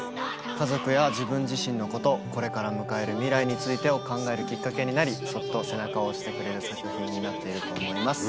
家族や自分自身のことこれから迎える未来についてを考えるきっかけになりそっと背中を押してくれる作品になっていると思います。